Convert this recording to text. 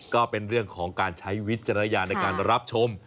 ก็เป็นเรื่องของการใช้วิจารณญาณในการรับชม